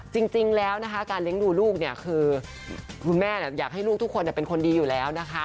จริงแล้วนะคะการเลี้ยงดูลูกเนี่ยคือคุณแม่อยากให้ลูกทุกคนเป็นคนดีอยู่แล้วนะคะ